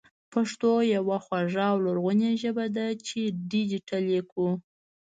پښتو يوه خواږه او لرغونې ژبه ده چې ډېجېټل يې کړو